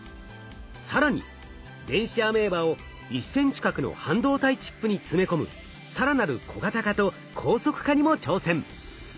更に電子アメーバを１センチ角の半導体チップに詰め込むさらなる小型化と高速化にも挑戦。